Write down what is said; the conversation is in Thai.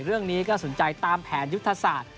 เรื่องนี้ก็สนใจตามแผนยุทธศาสตร์